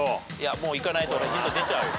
もういかないとヒント出ちゃうよ。